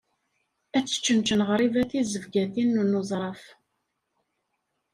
Ad teččenčen ɣriba tizebgatin n uẓref.